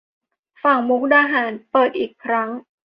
ฝั่งมุกดาหาร เปิดอีกครั้ง